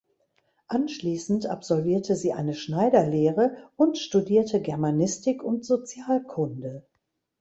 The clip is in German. Anschließend absolvierte sie eine Schneiderlehre und studierte Germanistik und Sozialkunde.